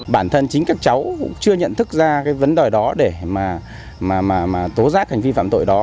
bản thân chính các cháu chưa nhận thức ra vấn đòi đó để tố giác hành vi phạm tội đó